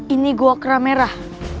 ini goa kerah merah